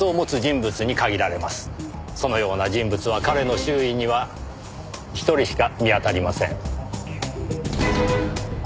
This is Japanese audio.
そのような人物は彼の周囲には一人しか見当たりません。